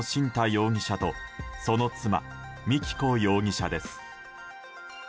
容疑者とその妻みき子容疑者です。